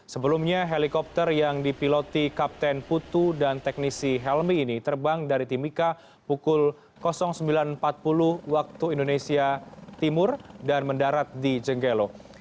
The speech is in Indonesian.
sebelumnya helikopter yang dipiloti kapten putu dan teknisi helmy ini terbang dari timika pukul sembilan empat puluh waktu indonesia timur dan mendarat di jenggelo